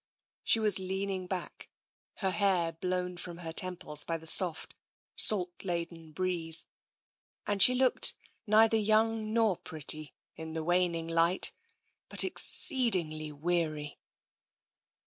She was leaning back, her hair blown from her tem ples by the soft, salt laden breeze, and she looked neither young nor pretty in the waning light, but ex ceedingly weary.